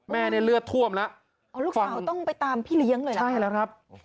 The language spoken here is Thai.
แม่เนี่ยเลือดท่วมแล้วอ๋อลูกสาวต้องไปตามพี่เลี้ยงเลยล่ะใช่แล้วครับ